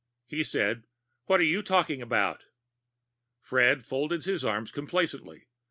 He said, "What are you talking about?" Fred folded his arms complacently.